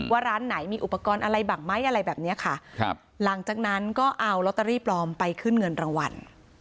ว่าร้านไหนมีอุปกรณ์อะไรบ้างไหมอะไรแบบนี้ค่ะครับหลังจากนั้นก็เอาลอตเตอรี่ปลอมไปขึ้นเงินรางวัล